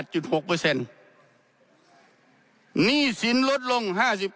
หนี้สินลดลง๕๕